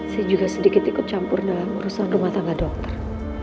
saya juga sedikit ikut campur dalam urusan rumah tangga dokter